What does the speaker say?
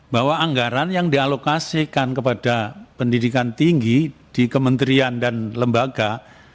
bahwa anggaran yang dialokasikan kepada pendidikan tinggi di kementerian dan lembaga